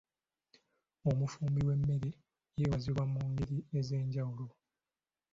Omufumbi w'emmere yeebazibwa mu ngeri ez'enjawulo.